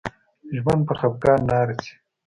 ژوند په خپګان نه ارزي